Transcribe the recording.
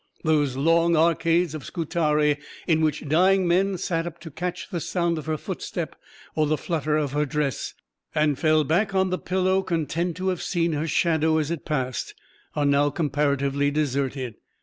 Those long arcades of Scutari, in which dying men sat up to catch the sound of her footstep or the flutter of her dress, and fell back on the pillow content to have seen her shadow as it passed, are now comparatively deserted.